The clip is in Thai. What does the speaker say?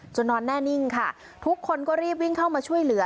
นอนแน่นิ่งค่ะทุกคนก็รีบวิ่งเข้ามาช่วยเหลือ